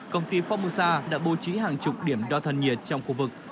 công ty phong musa đã bố trí hàng chục điểm đo thân nhiệt trong khu vực